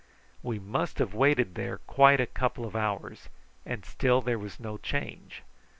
We must have waited there quite a couple of hours, and still there was no change.